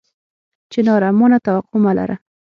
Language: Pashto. چناره! ما نه توقع مه لره